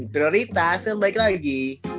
prioritas yang baik lagi